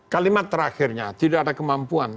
kalimat terakhirnya tidak ada kemampuan